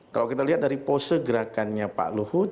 kalau kita lihat dari pose gerakannya pak luhut